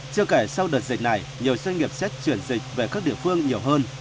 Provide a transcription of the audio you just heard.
chưa kể sau đợt dịch này nhiều doanh nghiệp sẽ chuyển dịch về các địa phương nhiều hơn